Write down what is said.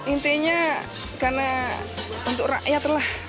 intinya karena untuk rakyat lah